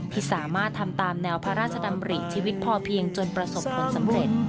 ที่สามารถทำตามแนวพระราชดำริชีวิตพอเพียงจนประสบผลสำเร็จ